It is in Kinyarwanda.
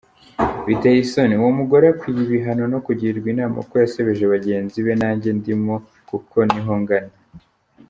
Biteyisoni🤔uwomugore akwiyibihano nokugirwinama kuko yasebejebagenzibe nangendimokukonihongana.